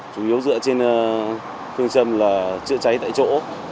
chủ yếu dựa trên phương châm là chữa cháy tại chỗ